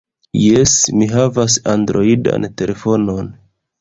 Jes, mi havas Androidan telefonon.